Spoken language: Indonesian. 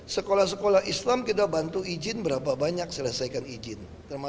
sekolah sekolah islam kita bantu izin berapa banyak selesaikan izin